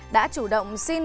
đã chủ động xin được đi làm